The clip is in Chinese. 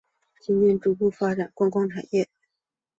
近年逐步发展观光产业。